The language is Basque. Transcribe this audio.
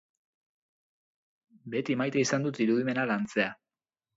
Beti maite izan dut irudimena lantzea.